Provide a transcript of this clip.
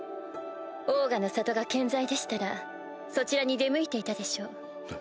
オーガの里が健在でしたらそちらに出向いていたでしょう。